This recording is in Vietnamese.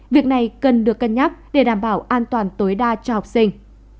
việc này cần được cân nhắc để đảm bảo an toàn tối đa cho học sinh